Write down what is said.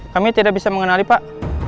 kami tidak bisa mengenali pak